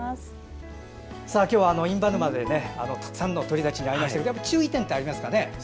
今日は印旛沼でたくさんの鳥たちに会いましたけど注意点ってありますか。